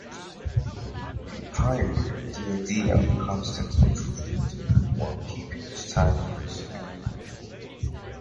He pioneered the idea of constant improvement while keeping the styling the same.